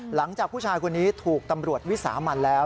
หลังจากผู้ชายคนนี้ถูกตำรวจวิสามันแล้ว